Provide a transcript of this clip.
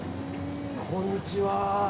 こんにちは。